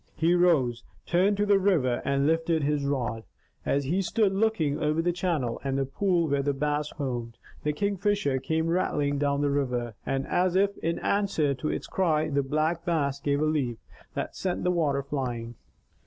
He rose, turned to the river, and lifted his rod. As he stood looking over the channel, and the pool where the Bass homed, the Kingfisher came rattling down the river, and as if in answer to its cry, the Black Bass gave a leap, that sent the water flying.